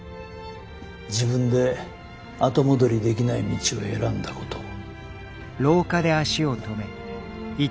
自分で後戻りできない道を選んだことを。